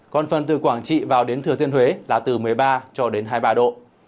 còn phần từ quảng trị vào đến thừa thiên huế là từ một mươi ba cho đến hai mươi ba độ